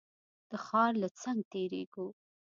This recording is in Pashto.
د ښار له څنګ تېرېږو.